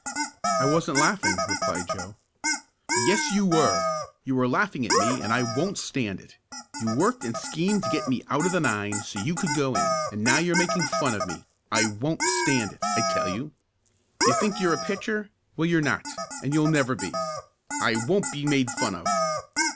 "I wasn't laughing," replied Joe. "Yes, you were! You were laughing at me and I won't stand it. You worked and schemed to get me out of the nine so you could go in, and now you're making fun of me, I won't stand it, I tell you. You think you're a pitcher! Well you're not, and you'll never be. I won't be made fun of!"